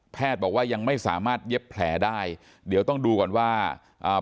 บอกว่ายังไม่สามารถเย็บแผลได้เดี๋ยวต้องดูก่อนว่าอ่า